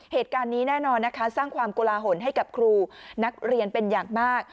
เหตุการณ์นี้แน่นอนนะคะสร้างความกลาหลให้กับครูนักเรียนเป็นอย่างมาก